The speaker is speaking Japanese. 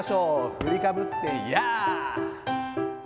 振りかぶって、やーっ。